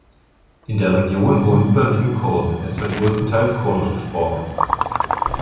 In der Region wohnen überwiegend Kurden, es wird größtenteils Kurdisch gesprochen.